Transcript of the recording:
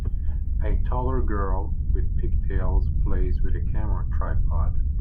A toddler girl with pigtails plays with a camera tripod.